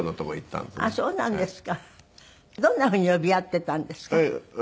どんなふうに呼び合っていたんですか？